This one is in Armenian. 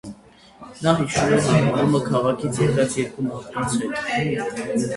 Նա հիշում էր հանդիպումը քաղաքից եկած երկու մարդկանց հետ։